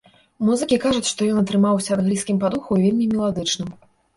Музыкі кажуць, што ён атрымаўся англійскім па духу і вельмі меладычным.